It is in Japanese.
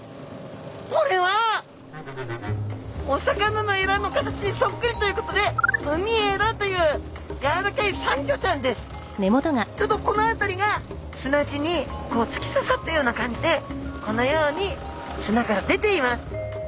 これはお魚のエラの形にそっくりということでウミエラというちょうどこの辺りが砂地につきささったような感じでこのように砂から出ています！